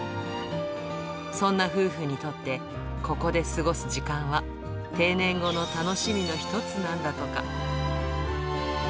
そんな夫婦にとって、ここで過ごす時間は定年後の楽しみの一つなんだとか。